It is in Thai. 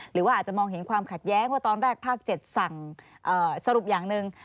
หรือว่าอาจจะมองเห็นความขัดแย้งว่าตอนแรกภาค๗สั่งสรุปอย่างหนึ่ง